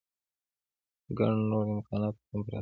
ګڼ نور امکانات هم پراته دي.